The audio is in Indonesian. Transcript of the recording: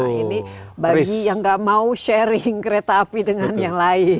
nah ini bagi yang gak mau sharing kereta api dengan yang lain